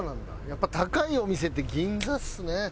やっぱ高いお店って銀座ですね。